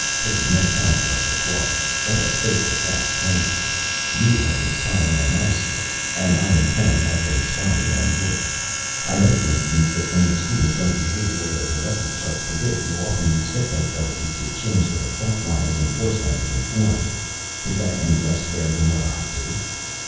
"This is no time for us to quarrel. Let us face the facts candidly. You have been spying on my school and I in turn have been spying on yours. I know, for instance, that when your students don't behave the way their heredity charts predict you often use hypno therapy to change their thought lines, and force them to conform. Is that any less fair than what I do?"